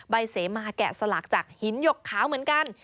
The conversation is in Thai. ใบเสมาแกะสลักจากหินหยกขาวเหมือนกัน